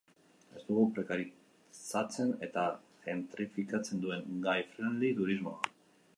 Ez dugu prekarizatzen eta gentrifikatzen duen gayfriendly turismoa.